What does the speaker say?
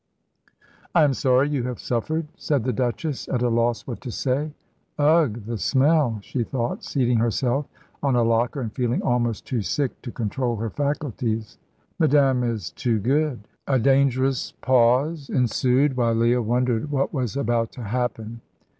"I am sorry you have suffered," said the Duchess, at a loss what to say. "Ugh, the smell!" she thought, seating herself on a locker, and feeling almost too sick to control her faculties. "Madame is too good." A dangerous pause ensued, while Leah wondered what was about to happen.